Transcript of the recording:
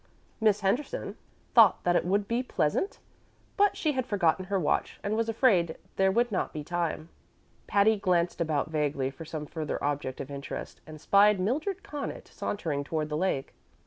Miss Henderson thought that it would be pleasant; but she had forgotten her watch, and was afraid there would not be time. Patty glanced about vaguely for some further object of interest, and spied Mildred Connaught sauntering toward the lake.